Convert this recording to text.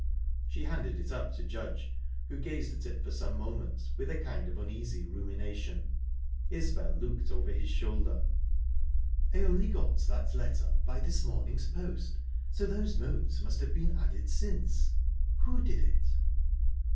She handed it up to Judge, who gazed at it for some moments with a kind of uneasy rumination. Isbel looked over his shoulder. "I only got that letter by this morning's post, so those notes must have been added since. Who did it?"